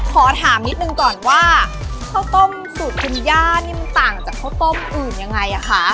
ขอถามนิดนึงก่อนว่าข้าวต้มสูตรคุณย่านี่มันต่างจากข้าวต้มอื่นยังไงอ่ะคะ